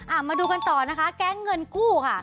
มาดูกันต่อนะคะแก๊งเงินกู้ค่ะ